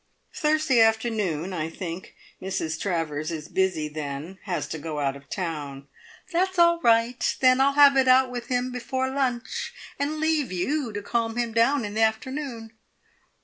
"Thursday afternoon, I think. Mrs Travers is busy then. Has to go out of town." "That's all right! Then I'll have it out with him before lunch, and leave you to calm him down in the afternoon."